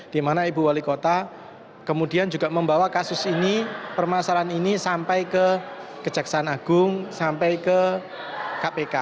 di mana ibu wali kota kemudian juga membawa kasus ini permasalahan ini sampai ke kejaksaan agung sampai ke kpk